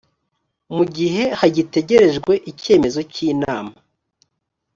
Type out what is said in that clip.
mu gihe hagitegerejwe icyemezo cy inama